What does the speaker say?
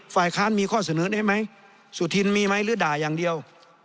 ฝ่ายค้านมีข้อเสนอได้ไหมสุธินมีไหมหรือด่าอย่างเดียว